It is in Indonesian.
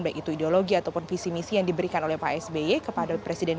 baik itu ideologi ataupun visi misi yang diberikan oleh pak sby kepada presiden